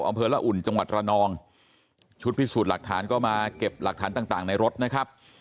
อำเภอละอุ่นจังหวัดระนองชุดพิสูจน์หลักฐานก็มาเก็บหลักฐานต่างต่างในรถนะครับ